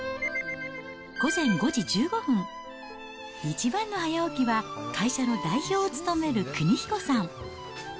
午前５時１５分、一番の早起きは、会社の代表を務める邦彦さん。